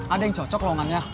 ada yang cocok longannya